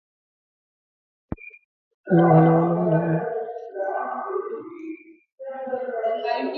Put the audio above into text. They are formed unconsciously.